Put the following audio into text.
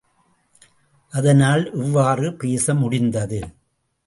அதனால் இவ்வாறு பேச முடிந்தது.